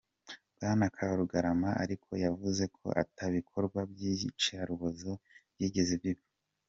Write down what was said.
Bwana Karugarama ariko yavuze ko ata bikorwa by’iyicarubozo byigeze biba.